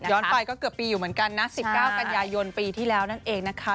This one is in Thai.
ไปก็เกือบปีอยู่เหมือนกันนะ๑๙กันยายนปีที่แล้วนั่นเองนะคะ